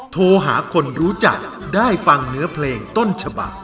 โทรหาคนรู้จักได้ฟังเนื้อเพลงต้นฉบัก